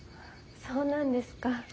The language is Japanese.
そうなんですか。